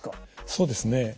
そうですね。